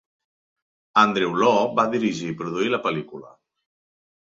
Andrew Lau va dirigir i produir la pel·lícula.